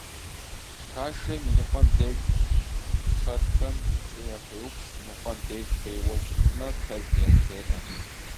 Хашэм иныкъуэм деж пхъэрхэм пцӀы яхуеупс, иныкъуэм деж, хуейуэ щытмэ, пэж яжреӀэ.